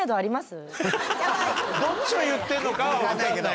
どっちを言ってんのかは分かんないけど。